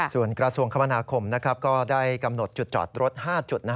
ส่วนกระทรวงคมนาคมก็ได้กำหนดจุดจอดรถ๕จุด